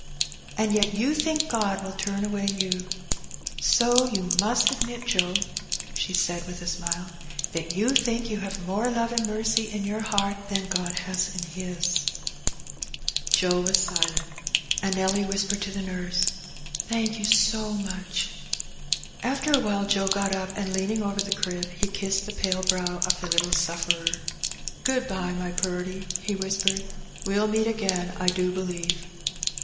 And yet you think God will turn away you. So you must admit, Joe, she said with a smile, '' that you think you have more love and mercy in your heart than God has in His ?*' Joe was silent. And Nelly whispered to the nurse, "Thank you so much. After awhile Joe got up, and leaning over the crib, he kissed the pale brow of the little sufferer. " Good bye, my purty, he whispered. "We*ll meet again, I do believe."